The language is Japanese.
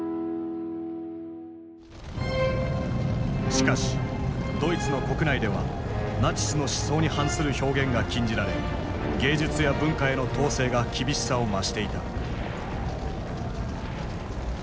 しかしドイツの国内ではナチスの思想に反する表現が禁じられ芸術や文化への統制が厳しさを増していた。